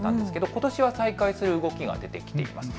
ことしは再開する動きが出てきています。